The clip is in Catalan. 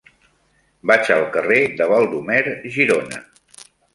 Vaig al carrer de Baldomer Girona.